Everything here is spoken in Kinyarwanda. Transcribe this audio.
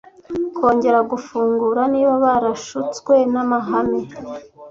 kongera gufungura. Niba barashutswe n'amahame,